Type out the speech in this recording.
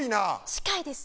近いです。